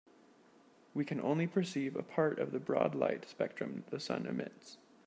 We can only perceive a part of the broad light spectrum the sun emits.